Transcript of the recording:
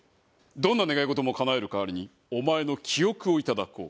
どんな願い事もかなえる代わりにお前の記憶をいただこう。